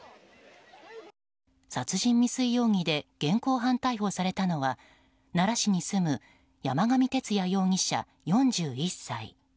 殺人未遂容疑で現行犯逮捕されたのは奈良市に住む山上徹也容疑者、４１歳。